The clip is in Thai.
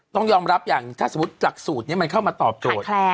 ต้องยอมรับอย่างถ้าสมมุติจากสูตรนี้มันเข้ามาตอบโจทย์